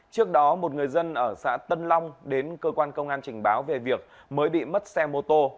trước đó một người dân ở xã tân long đến cơ quan công an trình báo về việc mới bị mất xe mô tô